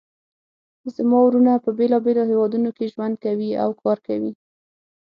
زما وروڼه په بیلابیلو هیوادونو کې ژوند کوي او کار کوي